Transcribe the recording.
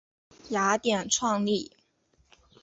雅典创立。